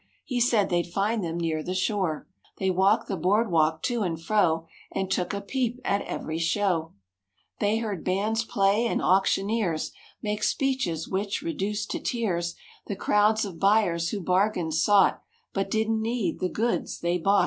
He said they'd find them near the shore. They walked the boardwalk to and fro And took a peep at every show; rw ,, They heard bands play and auctioneers Make speeches which reduced to tears The crowds of buyers who bargains sought But didn't need the goods they bought.